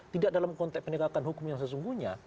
tidak dalam konteks penegakan hukum yang sesungguhnya